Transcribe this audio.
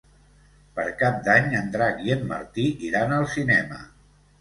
Per Cap d'Any en Drac i en Martí iran al cinema.